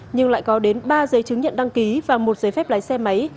nhưng lại có đến ba giấy chứng nhận đăng ký và một giấy phép lái xe máy